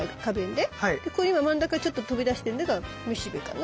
で今真ん中ちょっと飛び出してんのがめしべかな。